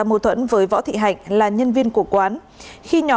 bắt được bốn bị can